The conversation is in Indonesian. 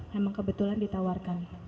memang kebetulan ditawarkan